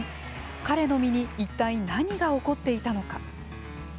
彼の身にいったい何が起こっていたのか。